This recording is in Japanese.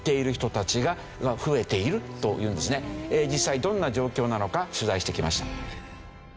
実際どんな状況なのか取材してきました。